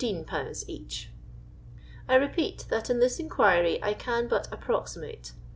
each. I repeat, that in this inquiry I can but approxi mate.